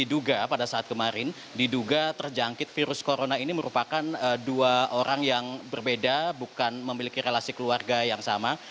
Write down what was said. diduga pada saat kemarin diduga terjangkit virus corona ini merupakan dua orang yang berbeda bukan memiliki relasi keluarga yang sama